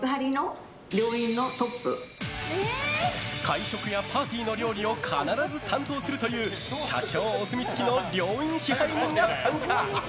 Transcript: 会食やパーティーの料理を必ず担当するという社長お墨付きの料飲支配人が参加！